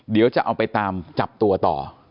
เดี๋ยวจะเอาไปตามจับตัวต่อ